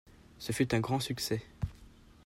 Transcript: Ce fut un grand succès.